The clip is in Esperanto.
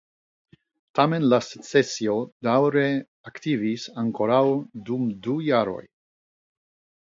Tamen la Secesio daŭre aktivis ankoraŭ dum du jaroj.